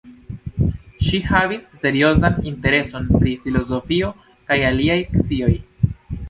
Ŝi havis seriozan intereson pri filozofio kaj aliaj scioj.